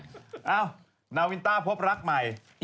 เอ้านาวินต้าพบรักใหม่